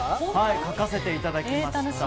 描かせていただきました。